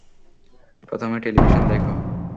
প্রথমে, টেলিভিশন দেখ।